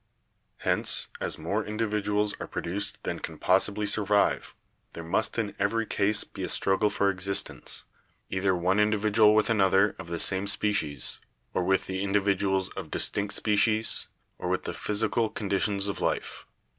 Hence, as more individuals are produced than can possibly survive, there must in every case be a struggle for existence, either one individual with another of the same species, or with the individuals of distinct species, or with the physical conditions of life.